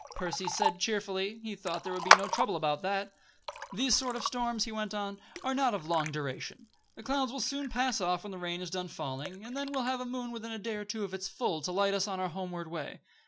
Percy said, cheerfully, he thought there would be no trouble about that. "These sort of storms," he went on, "are not of long duration. The clouds will soon pass off when the rain is done falling, and then we'll have a moon within a day or two of its full to light us on our homeward way.